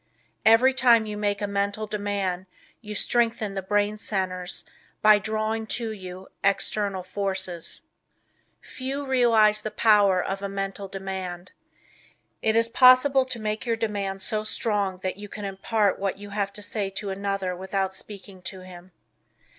Every time you make a Mental Demand you strengthen the brain centers by drawing to you external forces. Few realize the power of a Mental Demand. It is possible to make your demand so strong that you can impart what you have to say to another without speaking to him.